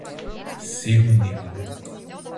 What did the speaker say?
Cerro Negro